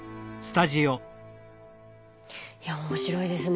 いや面白いですね。